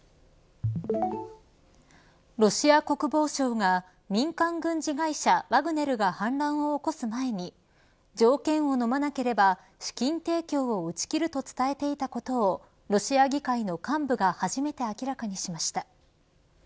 ロシア国防省が民間軍事会社ワグネルが反乱を起こす前に条件をのまなければ資金提供を打ち切ると伝えていたことをロシア議会の幹部が初めて明らかにしました。